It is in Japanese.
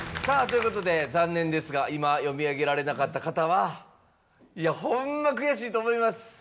さぁということで残念ですが今読み上げられなかった方はいやホンマ悔しいと思います